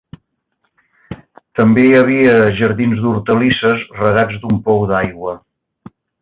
També hi havia jardins d'hortalisses, regats d'un pou d'aigua.